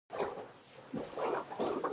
کمباین غنم لو کوي.